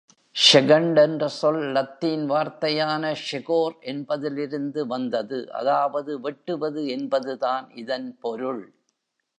"Second" என்ற சொல் Latin வார்த்தையான "ஸெகேர்" என்பதிலிருந்து வந்தது, அதாவது "வெட்டுவது" என்பதுதான் இதன் பொருள்.